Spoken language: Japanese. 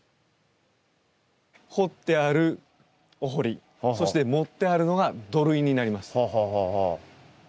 掘ってあるお堀そして盛ってあるのが土塁になります。